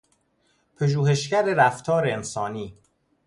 پژوهشگر رفتار انسانی